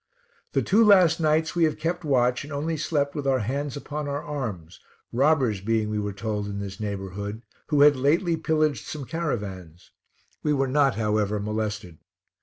The two last nights we have kept watch, and only slept with our hands upon our arms, robbers being, we were told, in this neighborhood, who had lately pillaged some caravans. We were not, however, molested.